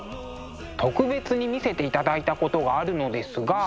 特別に見せていただいたことがあるのですが。